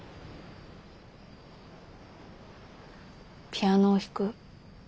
ピアノを弾く。